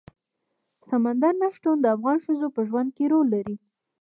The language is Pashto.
سمندر نه شتون د افغان ښځو په ژوند کې رول لري.